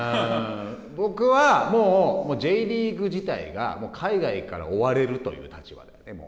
僕はもうＪリーグ自体がもう海外から追われるという立場ですね。